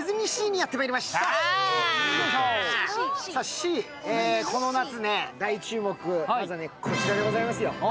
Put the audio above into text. シー、この夏大注目、まずはこちらでございますよ。